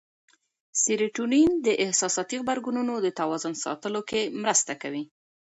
سېرټونین د احساساتي غبرګونونو د توازن ساتلو کې مرسته کوي.